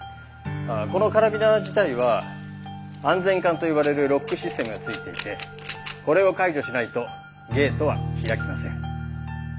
このカラビナ自体は安全環と呼ばれるロックシステムがついていてこれを解除しないとゲートは開きません。